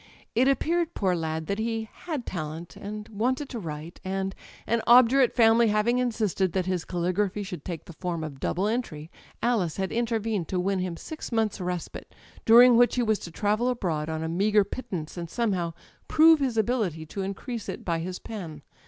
It appeared, poor lad, that he 'had talent/ and 'wanted to write'; and, an obdurate family having insisted that his calligraphy should take the form of double entry, Alice had intervened to win him six months* respite, during which he was to travel abroad on a meagre pittance, and somehow prove his ability to increase it by his pen.